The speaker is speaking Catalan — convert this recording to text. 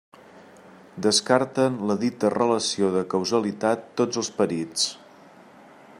Descarten la dita relació de causalitat tots els perits.